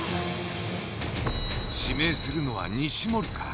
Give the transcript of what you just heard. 指名するのは西森か？